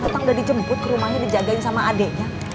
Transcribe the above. kang tatang udah dijemput ke rumahnya dijagain sama adeknya